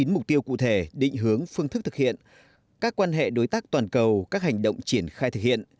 một trăm sáu mươi chín mục tiêu cụ thể định hướng phương thức thực hiện các quan hệ đối tác toàn cầu các hành động triển khai thực hiện